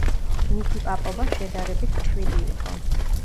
მისი პაპობა შედარებით მშვიდი იყო.